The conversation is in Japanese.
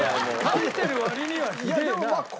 描いてる割にはひでえな。